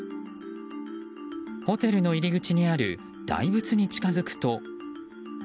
ホテルの入り口にある大仏に近づくと。